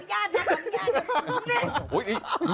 นี่ของญาตินะของญาติ